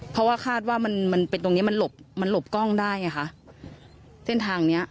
เพราะว่าคาดว่ามันมันเป็นตรงเนี้ยมันหลบมันหลบกล้องได้ไงคะเส้นทางเนี้ย